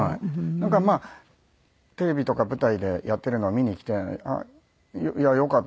だからまあテレビとか舞台でやっているのを見に来て「良かった」